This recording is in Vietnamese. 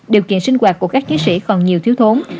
điều kiện sinh hoạt của các chiến sĩ còn nhiều thiếu thốn